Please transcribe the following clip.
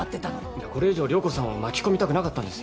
いやこれ以上涼子さんを巻き込みたくなかったんです。